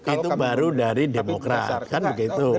itu baru dari demokrat kan begitu